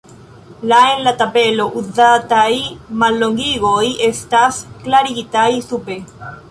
La en la tabelo uzataj mallongigoj estas klarigitaj sube.